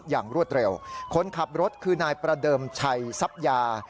รวดเร็วคนขับรถคือนายประเดิมชัยทรัพยา